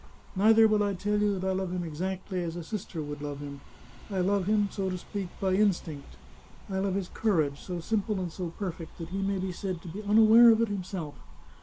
Neither will I tell you that I love him exactly as a sister would love him. I love him, so to speak, by instinct. I love his courage, so simple and so perfect that he may be said to be unaware of it himself.